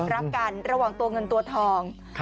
รักกันระหว่างตัวเงินตัวทอง